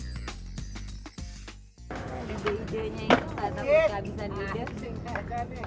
video videonya itu kak tapi nggak bisa di video